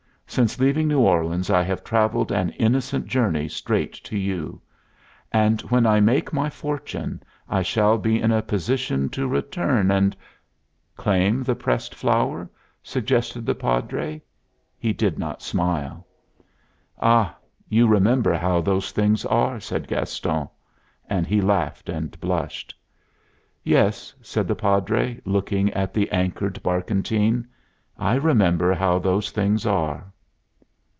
Since leaving New Orleans I have traveled an innocent journey straight to you. And when I make my fortune I shall be in a position to return and " "Claim the pressed flower?" suggested the Padre. He did not smile. "Ah, you remember how those things are!" said Gaston: and he laughed and blushed. "Yes," said the Padre, looking at the anchored barkentine, "I remember how those things are."